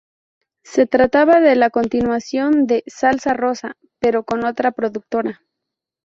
Se trataba de la continuación de "Salsa rosa", pero con otra productora.